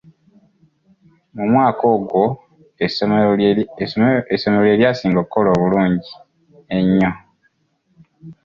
Mu mwaka ogwo essomero lye lyasinga okukola obulungi ennyo.